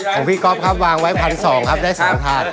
ของพี่ก๊อฟครับวางไว้๑๒๐๐ครับได้๓ถาด